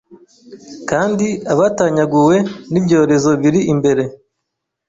Kandi abatanyaguwe n'ibyorezo biri imbere